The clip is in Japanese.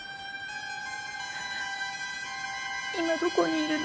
今どこにいるの？